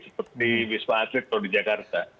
seperti di wisma atlet kalau di jakarta